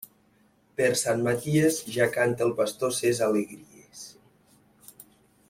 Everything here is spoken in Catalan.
Per Sant Maties, ja canta el pastor ses alegries.